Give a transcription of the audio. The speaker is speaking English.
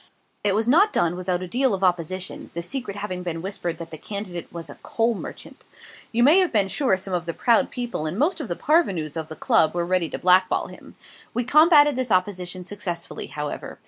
It was not done without a deal of opposition the secret having been whispered that the candidate was a coal merchant. You may be sure some of the proud people and most of the parvenus of the Club were ready to blackball him. We combated this opposition successfully, however.